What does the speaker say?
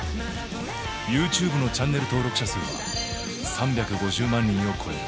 ＹｏｕＴｕｂｅのチャンネル登録者数は３５０万人を超える。